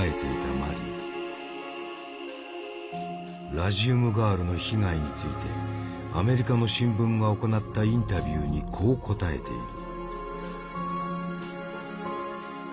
ラジウムガールの被害についてアメリカの新聞が行ったインタビューにこう答えている。